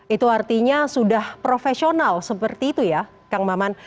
itu artinya sudah profesional seperti itu ya kang maman